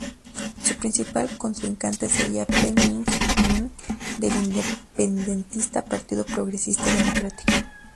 Su principal contrincante sería Peng Ming-min, del independentista Partido Progresista Democrático.